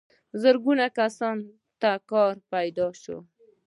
زرګونو کسانو ته کار پیدا شوی.